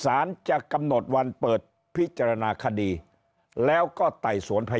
สารก็จะกำหนดวันเปิดการพิจารณาคดีสารจะกำหนดวันเปิดพิจารณาคดีแล้วก็ไต่สวนพยาน